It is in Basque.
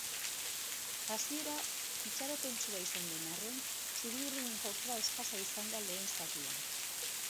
Hasiera itxaropentsua izan den arren, txuri-urdinen jokoa eskasa izan da lehen zatian.